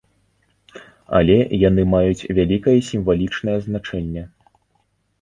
Але яны маюць вялікае сімвалічнае значэнне.